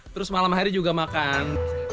terus malam hari juga makan